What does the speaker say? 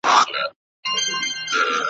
وګړي ډېر سول د نیکه دعا قبوله سوله ,